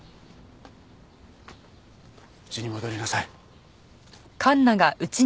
家に戻りなさい。